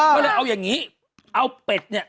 ก็เลยเอาอย่างนี้เอาเป็ดเนี่ย